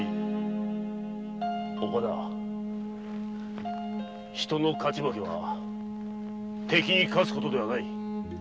岡田人の勝ち負けは敵に勝つ事ではない。